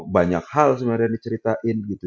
banyak hal sebenarnya yang diceritain gitu